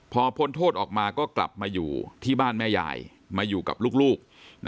พอพ้นโทษออกมาก็กลับมาอยู่ที่บ้านแม่ยายมาอยู่กับลูก